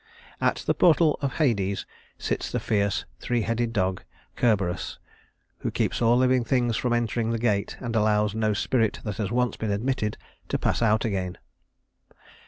At the portals of Hades sits the fierce three headed dog Cerberus, who keeps all living things from entering the gate, and allows no spirit that has once been admitted to pass out again.